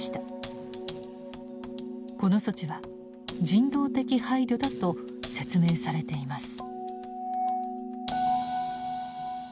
この措置は人道的配慮だと説明されています。